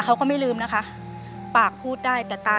เปลี่ยนเพลงเพลงเก่งของคุณและข้ามผิดได้๑คำ